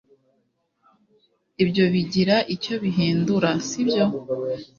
ibyo bigira icyo bihindura, sibyo